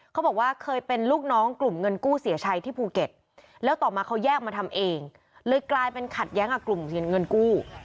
เขาบอกว่าเคยเป็นลูกน้องกลุ่มเงินกู้เสียชัยที่ภูเก็ตแล้วต่อมาเขาแยกมาทำเองเลยกลายเป็นขัดแย้งกับกลุ่มเงินกู้